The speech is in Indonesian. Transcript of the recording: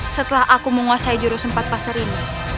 setelah aku menguasai jurus empat pasar ini